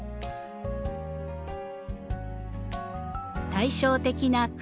対照的な黒。